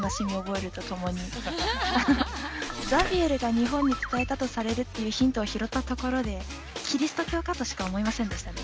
「ザビエルが日本に伝えたとされる」っていうヒントを拾ったところでキリスト教かとしか思えませんでしたね。